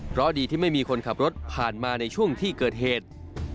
เพราะดีที่ไม่มีคนขับรถผ่านมาในช่วงที่เกิดเหตุ